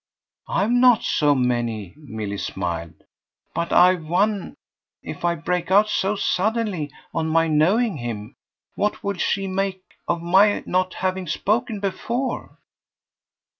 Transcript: "I've not so many," Milly smiled "but I've one. If I break out so suddenly on my knowing him, what will she make of my not having spoken before?"